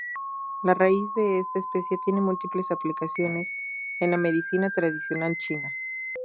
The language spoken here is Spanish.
La raíz de esta especie tiene múltiples aplicaciones en la medicina tradicional china.